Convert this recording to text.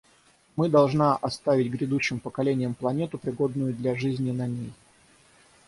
Мы должна оставить грядущим поколениям планету, пригодную для жизни на ней.